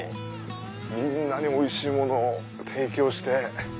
みんなにおいしいものを提供して。